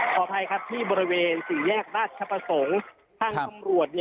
ขอบใภคับที่บริเวณสี่แยกราชชะปสงศ์ท่างคำรวจ